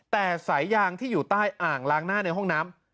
แต่สายยางที่อยู่ใต้อ่างล้างหน้าในห้องน้ำ